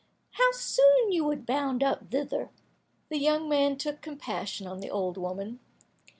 How soon you would bound up thither." The young man took compassion on the old woman.